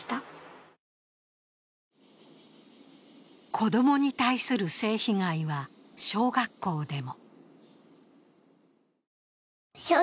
子供に対する性被害は小学校でも。